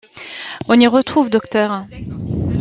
On y retrouve Dr.